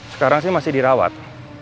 sekarang sih masih dirawat